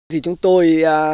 thì chúng tôi